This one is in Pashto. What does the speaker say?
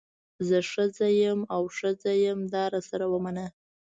زه ښځه یم او ښځه یم دا راسره ومنه.